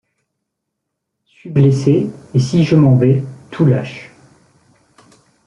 Suis blessé mais si je m'en vais, tout lâche.